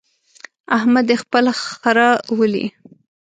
احمد دې خپل خره ولي.